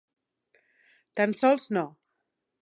Tan sols no.